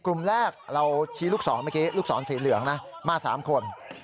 กลุ่มแรกเราชี้ลูกศรเมื่อกี้ลูกศรสีเหลืองนะมา๓คน